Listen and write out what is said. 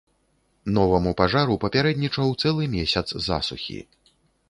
Новаму пажару папярэднічаў цэлы месяц засухі.